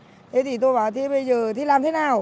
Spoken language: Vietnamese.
thế thì tôi bảo thế bây giờ thì làm thế nào